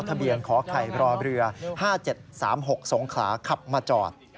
ทะเบียนขอไขรอเบลือ๕๗๓๖สงคราขับมาจอด